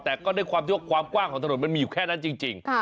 แต่ก็ด้วยความที่ว่าความกว้างของถนนมันมีอยู่แค่นั้นจริง